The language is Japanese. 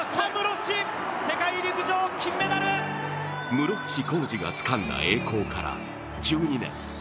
室伏広治がつかんだ栄光から１２年。